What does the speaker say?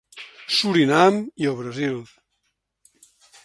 Surinam i el Brasil.